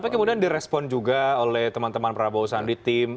tapi kemudian direspon juga oleh teman teman prabowo sandi tim